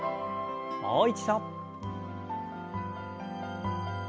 もう一度。